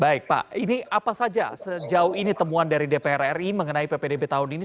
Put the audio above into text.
baik pak ini apa saja sejauh ini temuan dari dpr ri mengenai ppdb tahun ini